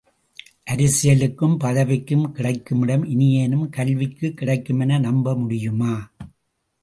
அரசியலுக்கும் புதவிக்கும் கிடைக்குமிடம் இனியேனும் கல்விக்குக் கிடைக்குமென நம்பமுடியுமா?